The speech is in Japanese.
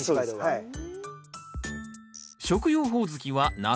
はい。